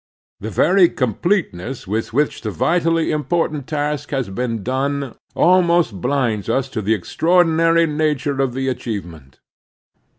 The very completeness with which the vitally important task has been done almost blinds us to the extraordinary nature of the achievement.